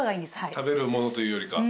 食べるものというよりか。